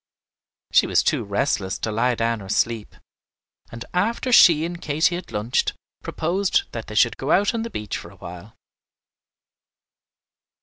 She was too restless to lie down or sleep, and after she and Katy had lunched, proposed that they should go out on the beach for a while.